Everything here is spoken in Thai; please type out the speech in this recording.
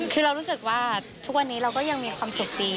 คือเรารู้สึกว่าทุกวันนี้เราก็ยังมีความสุขดี